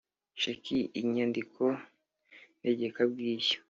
Sheki inyandiko ntegekabwishyu